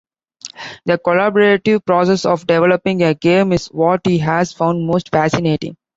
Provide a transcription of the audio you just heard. The collaborative process of developing a game is what he has found most fascinating.